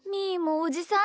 おじさん！